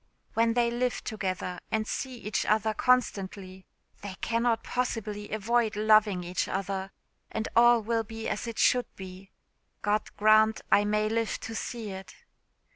When they live together, and see each other constantly, they cannot possibly avoid loving each other, and all will be as it should be. God grant I may live to see it!"